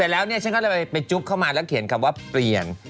แล้วเขียนคำว่าเพลียน